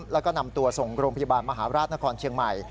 แล้วก็นำตัวส่งโรงพยาบาลมหาราชนครเชียงใหม่